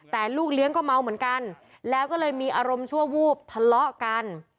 แต่ลูกเลี้ยงก็เมาเหมือนกันแล้วก็เลยมีอารมณ์ชั่ววูบทะเลาะกัน